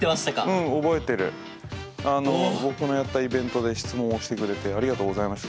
僕のやったイベントで質問をしてくれてありがとうございました